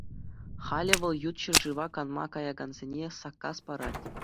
Халӗ вӑл ют ҫӗршыва канма каякансене саккас парать.